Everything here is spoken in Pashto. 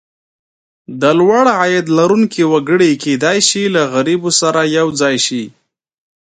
د لوړ عاید لرونکي وګړي کېدای شي له غریبو سره یو ځای شي.